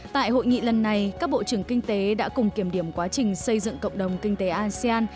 tại hội nghị lần này các bộ trưởng kinh tế đã cùng kiểm điểm quá trình xây dựng cộng đồng kinh tế asean